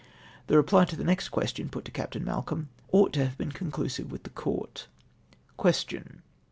The reply to the next question put to Captam Mal colm ought to have been conclusive with the Court. Question.